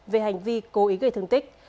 về hành vi cố ý gây thương tích